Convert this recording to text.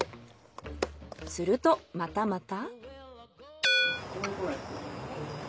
するとまたまた。